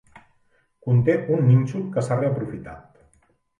Conté un nínxol que s'ha reaprofitat.